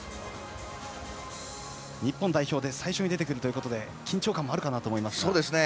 日本代表で最初に出てくるということで緊張感もあると思いますが。